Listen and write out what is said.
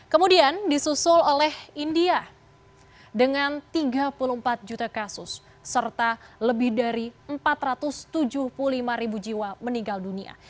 kemudian disusul oleh india dengan tiga puluh empat juta kasus serta lebih dari empat ratus tujuh puluh lima ribu jiwa meninggal dunia